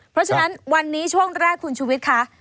เพราะฉะนั้นวันนี้ช่วงแรกคุณชุวิตค่ะ